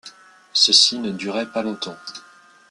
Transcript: Ceci ne durait pas longtemps.